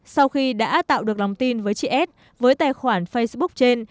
sau khi đã tạo được lòng tin với chị s với tài khoản facebook trên